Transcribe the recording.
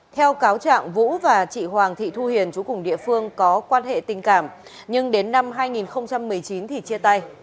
theo cáo trạng vũ và chị hoàng thị thu hiền chú cùng địa phương có quan hệ tình cảm nhưng đến năm hai nghìn một mươi chín thì chia tay